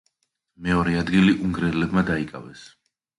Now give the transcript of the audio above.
მეორე ადგილი უნგრელებმა დაიკავეს.